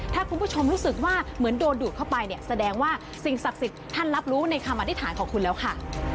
ถ้าคุณผู้ชมรู้สึกว่าเหมือนโดนดูดเข้าไปเนี่ยแสดงว่าสิ่งศักดิ์สิทธิ์ท่านรับรู้ในคำอธิษฐานของคุณแล้วค่ะ